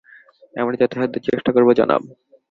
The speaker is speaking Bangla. আমরা যথাসাধ্য চেষ্টা করব, জনাব।